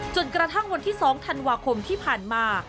จนกระทั่งวันที่๒ธันวาคมที่ผ่านมา